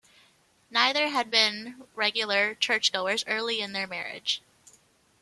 Neither had been regular churchgoers early in their marriage.